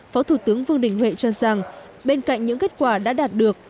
phó thủ tướng vương đình huệ cho rằng bên cạnh những kết quả đã đạt được